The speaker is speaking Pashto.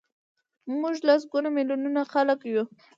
موږ لسګونه میلیونه خلک یو.